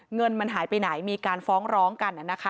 เงินมันหายไปไหนมีการฟ้องร้องกัน